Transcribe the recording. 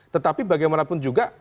tetapi bagaimanapun juga